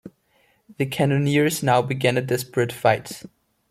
The cannoneers now began a desperate fight.